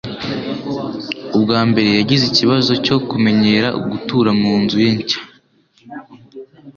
Ubwa mbere yagize ikibazo cyo kumenyera gutura mu nzu ye nshya.